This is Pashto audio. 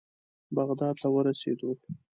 بغداد ته ورسېدو.